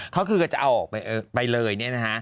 เขาก็จะเอาออกไปเลย